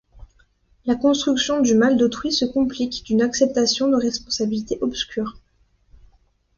La construction du mal d’autrui se complique d’une acceptation de responsabilité obscure.